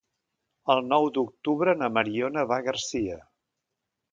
El nou d'octubre na Mariona va a Garcia.